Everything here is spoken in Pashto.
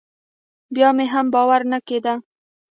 بيا مې هم باور نه کېده.